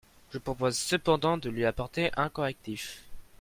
Je propose cependant de lui apporter un correctif.